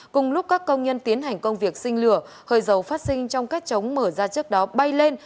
cùng lúc các công nhân tiến hành công việc sinh lửa hơi dầu phát sinh trong kết trống mở ra trước đó bay lên